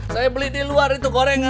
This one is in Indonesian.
saya beli di luar itu gorengan